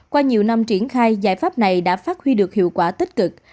qua nhiều năm triển khai giải pháp này đã phát huy được hiệu quả tích cực